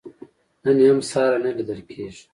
نن یې هم ساری نه لیدل کېږي.